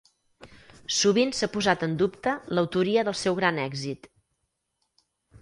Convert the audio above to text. Sovint s'ha posat en dubte l'autoria del seu gran èxit.